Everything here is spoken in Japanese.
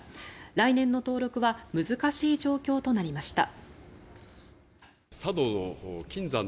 来年の登録は難しい状況となりました。